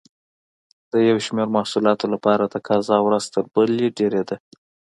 د یو شمېر محصولاتو لپاره تقاضا ورځ تر بلې ډېرېده.